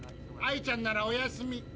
アイちゃんならお休み。